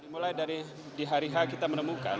mulai dari di hari h kita menemukan